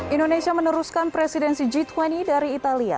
indonesia meneruskan presidensi g dua puluh dari italia